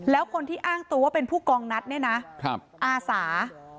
แล้วคนที่อ้างตัวว่าเป็นผู้กองนัดเนี่ยนะอาสา